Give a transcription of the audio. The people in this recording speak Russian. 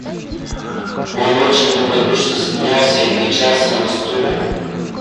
Он очень добродушно смеялся и качался на стуле.